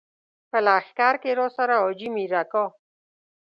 په لښکر کې راسره حاجي مير اکا.